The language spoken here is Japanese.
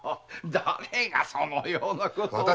誰がそのようなことを。